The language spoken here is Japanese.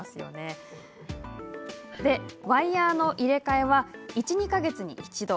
ワイヤーの入れ替えは１、２か月に一度。